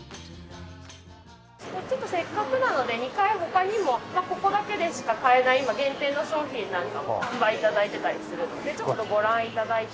せっかくなので２階他にもここだけでしか買えない今限定の商品なんかも販売頂いてたりするのでちょっとご覧頂いて。